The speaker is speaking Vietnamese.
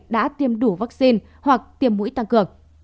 đã tiêm đủ vaccine hoặc tiêm mũi tăng cường